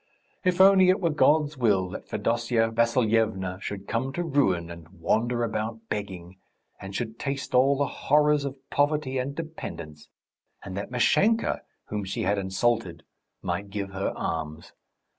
If only it were God's will that Fedosya Vassilyevna should come to ruin and wander about begging, and should taste all the horrors of poverty and dependence, and that Mashenka, whom she had insulted, might give her alms!